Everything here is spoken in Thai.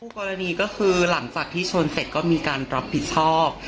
กรณีก็คือหลังจากที่ชนเสร็จก็มีการรับผิดชอบ